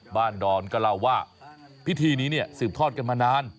บ้านดอนก็เล่าว่าพิธีนี้สืบทอดกันมานาน